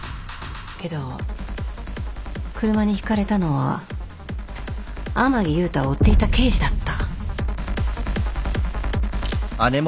けど車にひかれたのは天樹勇太を追っていた刑事だった。